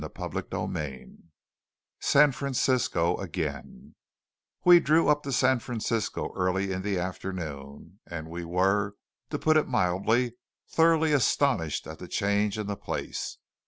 CHAPTER XLII SAN FRANCISCO AGAIN We drew up to San Francisco early in the afternoon, and we were, to put it mildly, thoroughly astonished at the change in the place.